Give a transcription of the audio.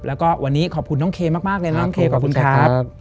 แล้วก็วันนี้ขอบคุณน้องเคมากเลยน้องเคขอบคุณครับ